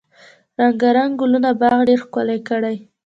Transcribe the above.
رنګارنګ ګلونه باغ ډیر ښکلی کړی.